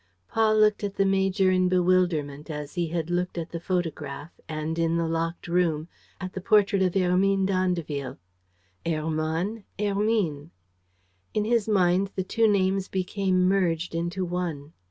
Paul looked at the major in bewilderment, as he had looked at the photograph and, in the locked room, at the portrait of Hermine d'Andeville. Hermann, Hermine! In his mind the two names became merged into one.